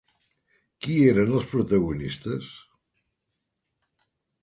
Qui eren els protagonistes?